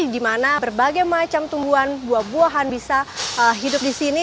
di mana berbagai macam tumbuhan buah buahan bisa hidup di sini